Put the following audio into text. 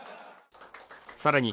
さらに